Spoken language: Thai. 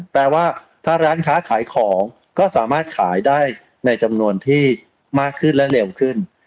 แปลว่าถ้าร้านค้าขายของก็สามารถขายได้ในจำนวนที่มากขึ้นและเร็วขึ้น